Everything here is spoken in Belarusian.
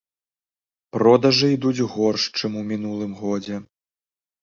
Продажы ідуць горш, чым у мінулым годзе.